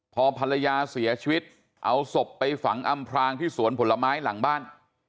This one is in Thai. พอภรรยาเสียชีวิตเอาศพไปฝังอำพรางที่สวนผลไม้หลังบ้าน